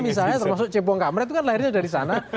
misalnya termasuk caya bongkampret itu kan lahirnya dari sana